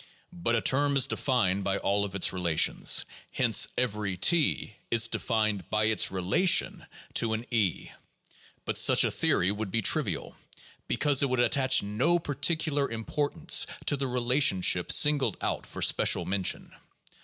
But a term is defined by all of its relations, hence every T is defined by its relation to an E. But such a theory would be trivial, because it would attach no peculiar importance to the relationship singled out for special mention.